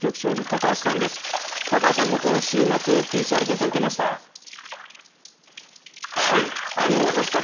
高橋さんもこの週末ＰＣＲ検査を受けました？